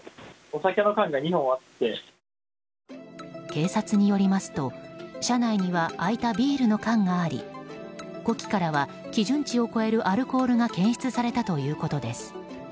警察によりますと車内には空いたビールの缶があり呼気からは基準値を超えるアルコールが検出されたということです。